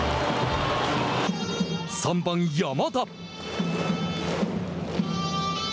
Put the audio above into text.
３番山田。